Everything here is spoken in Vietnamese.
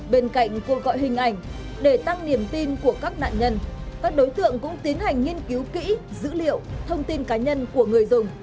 bên cạnh cuộc gọi hình ảnh để tăng niềm tin của các nạn nhân các đối tượng cũng tiến hành nghiên cứu kỹ dữ liệu thông tin cá nhân của người dùng